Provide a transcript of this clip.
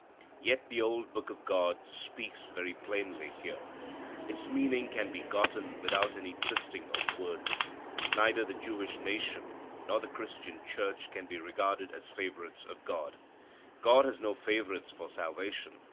Yet the old Book of God speaks very plainly here. Its meaning can be gotten without any twisting of words. Neither the Jewish nation nor the Christian Church can be regarded as favorites of God. God has no favorites for salvation.